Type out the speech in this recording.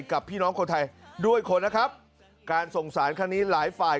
กับพี่น้องคนไทยด้วยคนนะครับการส่งสารครั้งนี้หลายฝ่าย